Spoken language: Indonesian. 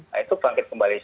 nah itu bangkit kembali